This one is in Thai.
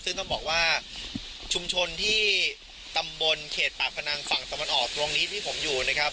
ซึ่งต้องบอกว่าชุมชนที่ตำบลเขตปากพนังฝั่งตะวันออกตรงนี้ที่ผมอยู่นะครับ